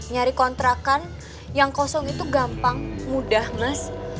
nyari kontrakan yang kosong itu gampang mudah mas